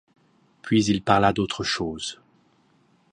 Puis il parla d'autre chose.